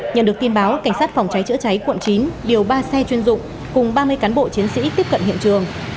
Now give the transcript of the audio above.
nhận được tin báo cảnh sát phòng cháy chữa cháy quận chín điều ba xe chuyên dụng cùng ba mươi cán bộ chiến sĩ tiếp cận hiện trường